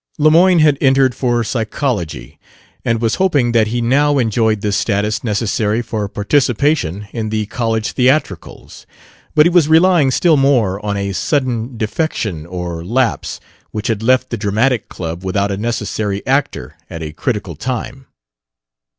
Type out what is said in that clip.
Lemoyne had entered for Psychology, and was hoping that he now enjoyed the status necessary for participation in the college theatricals. But he was relying still more on a sudden defection or lapse which had left the dramatic club without a necessary actor at a critical time.